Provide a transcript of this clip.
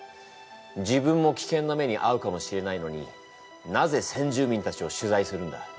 自分もきけんな目にあうかもしれないのになぜ先住民たちを取材するんだ？